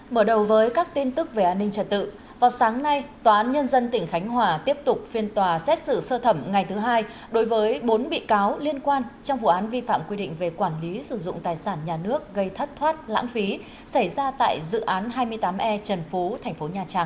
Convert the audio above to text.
mở đầu với các tin tức về an ninh trật tự vào sáng nay tòa án nhân dân tỉnh khánh hòa tiếp tục phiên tòa xét xử sơ thẩm ngày thứ hai đối với bốn bị cáo liên quan trong vụ án vi phạm quy định về quản lý sử dụng tài sản nhà nước gây thất thoát lãng phí xảy ra tại dự án hai mươi tám e trần phú tp nhcm